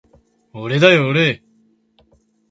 おれだよおれ